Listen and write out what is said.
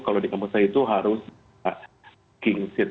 kalau di kampus saya itu harus king seat